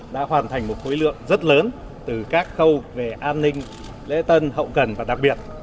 đã hoàn thành một khối lượng rất lớn từ các khâu về an ninh lễ tân hậu cần và đặc biệt